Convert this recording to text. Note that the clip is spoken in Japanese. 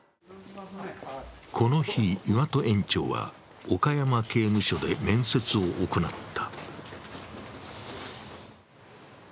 この日、岩戸園長は岡山刑務所で面接を行った。